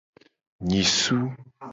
Nyisu.